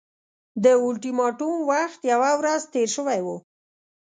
د اولټیماټوم وخت یوه ورځ تېر شوی وو.